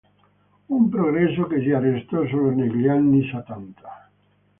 Un progresso che si arrestò solo negli anni settanta.